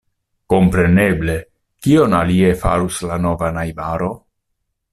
Kompreneble; kion alie farus la nova najbaro?